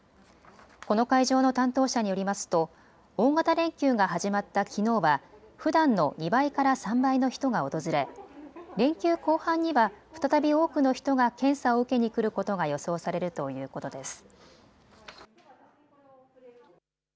この会場の担当者によりますと大型連休が始まったきのうはふだんの２倍から３倍の人が訪れ連休後半には再び多くの人が検査を受けにくることが予想されるということです。